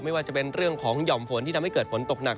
ไม่ว่าจะเป็นเรื่องของหย่อมฝนที่ทำให้เกิดฝนตกหนัก